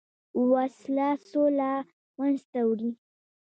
وسله سوله له منځه وړي